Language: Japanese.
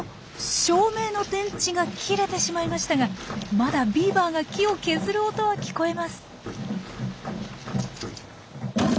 照明の電池が切れてしまいましたがまだビーバーが木を削る音は聞こえます。